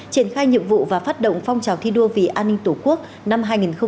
triển khai nhiệm vụ và phát động phong trào thi đua vì an ninh tổ quốc năm hai nghìn hai mươi bốn